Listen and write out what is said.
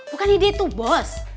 bukan ide itu bos